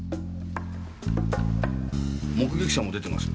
目撃者も出ています。